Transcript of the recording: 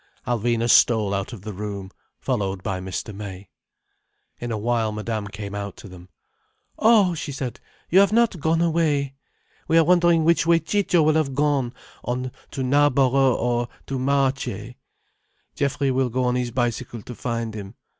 Alvina stole out of the room, followed by Mr. May. In a while Madame came out to them. "Oh," she said. "You have not gone away! We are wondering which way Ciccio will have gone, on to Knarborough or to Marchay. Geoffrey will go on his bicycle to find him.